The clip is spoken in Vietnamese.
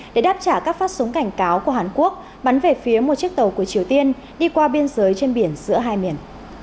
để đáp trả các phát súng cảnh cáo của hàn quốc bắn về phía một chiếc tàu của triều tiên đi qua biên giới trên biển giữa hai miền